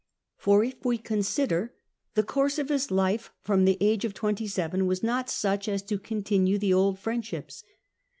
For, if we consider, the course of his life from the age of twenty seven was not such as to continue the old friendships.